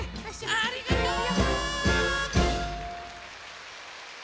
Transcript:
ありがとう！